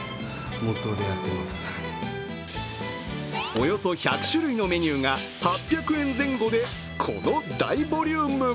およそ１００種類のメニューが８００円前後でこの大ボリューム。